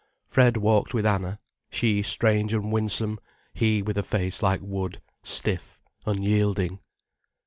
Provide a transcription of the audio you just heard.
Fred walked with Anna, she strange and winsome, he with a face like wood, stiff, unyielding.